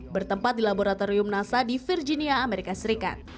bertempat di laboratorium nasa di virginia amerika serikat